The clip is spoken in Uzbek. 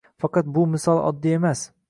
Faqat bu misol oddiy emas.